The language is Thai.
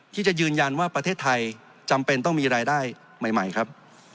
ที่จะยืนยันว่าประเทศไทยจำเป็นต้องมีรายได้ใหม่ครับ